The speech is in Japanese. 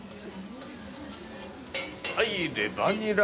はいレバニラ。